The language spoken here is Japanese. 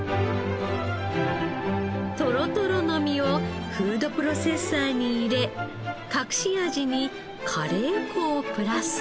とろとろの実をフードプロセッサーに入れ隠し味にカレー粉をプラス。